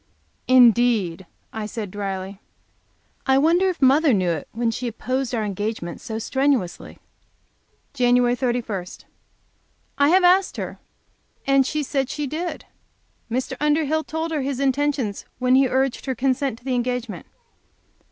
"Indeed!" I said, dryly. I wonder if mother knew it when she opposed our engagement so strenuously. Jan. 31. I have asked her, and she said she did. Mr. Underhill told her his intentions when he urged her consent to the engagement.